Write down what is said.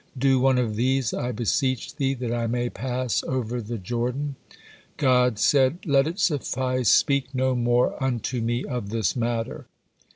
Do one of these, I beseech Thee, that I may pass over the Jordan." God said: "'Let it suffice, speak no more unto Me of this matter.'